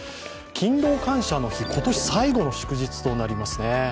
勤労感謝の日、今年最後の祝日となりますね。